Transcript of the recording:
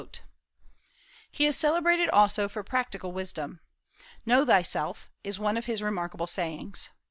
He is celebrated also for practical wisdom. "Know thyself," is one of his remarkable sayings.